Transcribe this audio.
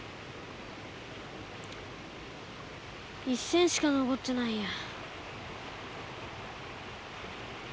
１銭しか残ってないや。